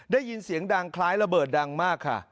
ได้ยินเสียงดังคล้ายระเบิดดังมากค่ะ